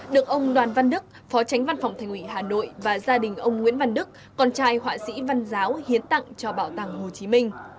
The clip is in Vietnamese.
được ông đoàn văn đức phó tránh văn phòng thành ủy hà nội và gia đình ông nguyễn văn đức con trai họa sĩ văn giáo hiến tặng cho bảo tàng hồ chí minh